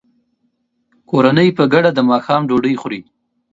کورنۍ په ګډه د ماښام ډوډۍ خوري.